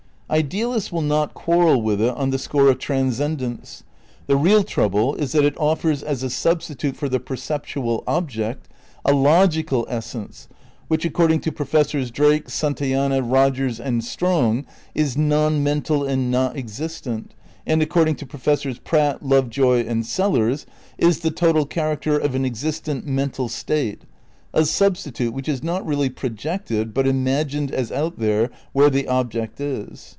Idealists will not quarrel with it on the score of trans cendence. The real trouble is that it offers as a substi tute for the perceptual object a logical essence, which according to Professors Drake, Santayana, Rogers and Strong is non mental and not existent, and according to Professors Pratt, Lovejoy and Sellars is the total character of an existent mental state ; a substitute which is not really projected but imagined as out there where the object is.